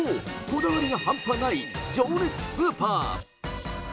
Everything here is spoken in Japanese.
こだわりが半端ない情熱スーパー。